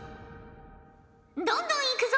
どんどんいくぞ！